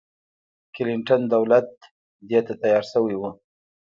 کلنټن دولت دې ته تیار شوی و.